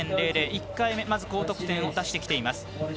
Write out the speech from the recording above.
１回目、まず高得点を出してきています。